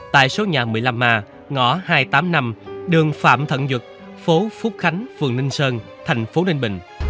tại số nhà một mươi năm a ngõ hai trăm tám mươi năm đường phạm thận duật phố phúc khánh phường ninh sơn thành phố ninh bình